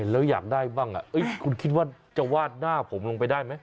แล้วอยากได้บ้างคุณคิดว่าจะวาดหน้าผมลงไปได้ไหม